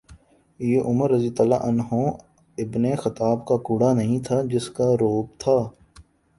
یہ Umar ibn Khattab کا کوڑا نہیں تھا جس کا رعب تھا۔